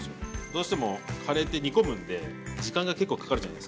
どうしてもカレーって煮込むんで時間が結構かかるじゃないですか。